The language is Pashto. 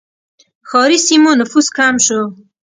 ښاري سیمو نفوس کم شو.